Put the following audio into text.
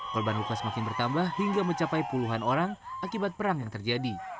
korban luka semakin bertambah hingga mencapai puluhan orang akibat perang yang terjadi